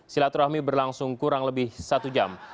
silaturahmi berlangsung kurang lebih satu jam